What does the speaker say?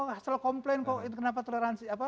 hasil komplain kok kenapa toleransi